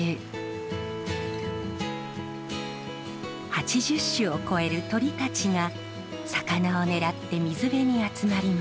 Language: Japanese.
８０種を超える鳥たちが魚を狙って水辺に集まります。